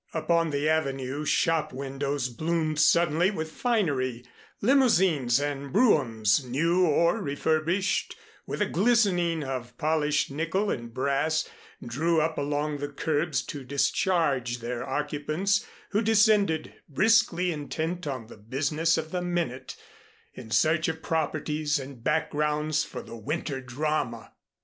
Upon the Avenue shop windows bloomed suddenly with finery; limousines and broughams, new or refurbished, with a glistening of polished nickel and brass, drew up along the curbs to discharge their occupants who descended, briskly intent on the business of the minute, in search of properties and backgrounds for the winter drama.